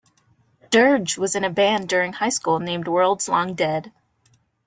Dirge was in a band during high school named Worlds Long Dead.